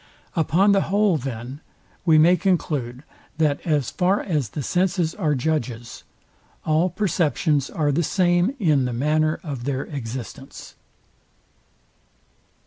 Upon the whole, then, we may conclude, that as far as the senses are judges, all perceptions are the same in the manner of their existence.